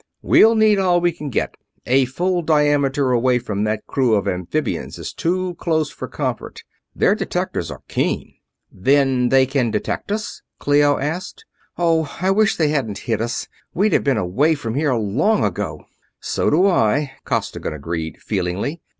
"We'll need all we can get. A full diameter away from that crew of amphibians is too close for comfort their detectors are keen." "Then they can detect us?" Clio asked. "Oh, I wish they hadn't hit us we'd have been away from here long ago." "So do I," Costigan agreed, feelingly.